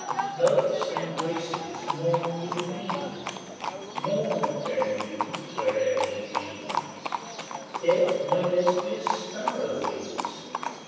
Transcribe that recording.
] Loves and Graces mourn with me, Mourn, fair youths, where'er ye be J Dead my Lesbia's sparrow is.